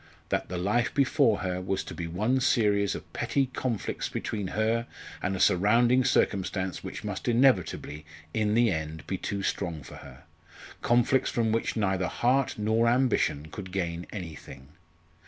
that the life before her was to be one series of petty conflicts between her and a surrounding circumstance which must inevitably in the end be too strong for her, conflicts from which neither heart nor ambition could gain anything.